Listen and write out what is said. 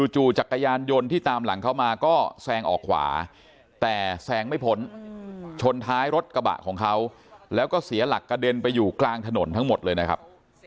จู่จักรยานยนต์ที่ตามหลังเขามาก็แซงออกขวาแต่แซงไม่พ้นชนท้ายรถกระบะของเขาแล้วก็เสียหลักกระเด็นไปอยู่กลางถนนทั้งหมดเลยนะครับ